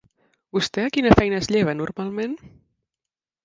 Vostè a quina feina es lleva normalment?